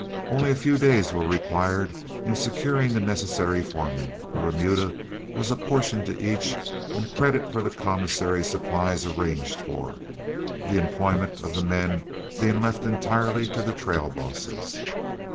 Only a few days were required in securing the necessary foremen, a remuda was apportioned to each, and credit for the commissary supplies arranged for, the employment of the men being left entirely to the trail bosses.